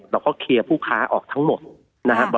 เราก็เคลียร์ผู้ค้าออกทั้งหมดนะครับ